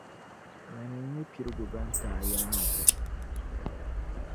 Mani n-nyɛ piligu ban ti A yɛlimaŋli.